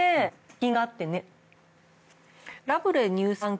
品があってね。